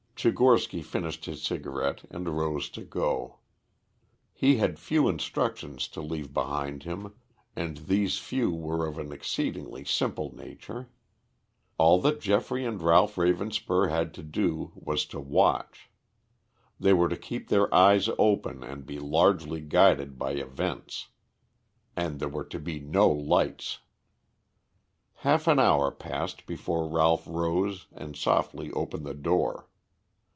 Tchigorsky finished his cigarette and rose to go. He had few instructions to leave behind him, and these few were of an exceedingly simple nature. All that Geoffrey and Ralph Ravenspur had to do was to watch. They were to keep their eyes open and be largely guided by events. And there were to be no lights. Half an hour passed before Ralph rose and softly opened the door.